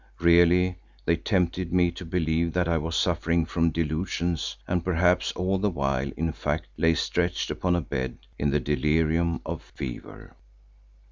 Really they tempted me to believe that I was suffering from delusions and perhaps all the while in fact lay stretched upon a bed in the delirium of fever.